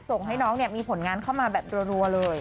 ส่งให้น้องเนี่ยมีผลงานเข้ามาแบบรัวเลย